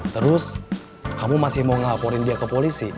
terus kamu masih mau laporin dia ke polisi